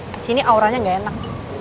disini auranya gak enak